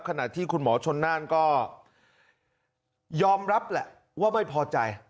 ขณะที่คุณหมอชนน่านก็ยอมรับแหละว่าไม่พอใจ